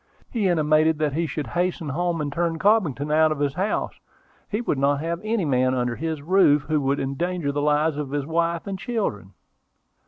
He intimated that he should hasten home and turn Cobbington out of his house: he would not have any man under his roof who would endanger the lives of his wife and children."